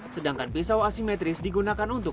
sedangkan pisau asimetris digunakan untuk